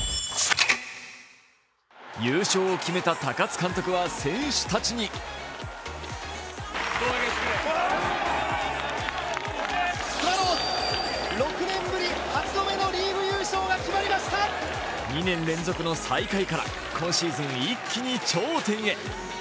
優勝を決めた高津監督は選手たちに２年連続の最下位から、今シーズン一気に頂点へ。